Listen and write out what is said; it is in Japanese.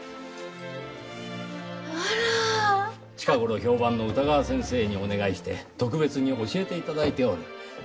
近頃評判の歌川先生にお願いして特別に教えて頂いておる。